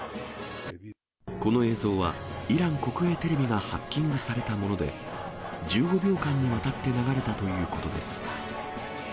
この映像は、イラン国営テレビがハッキングされたもので、１５秒間にわたって流れたということです。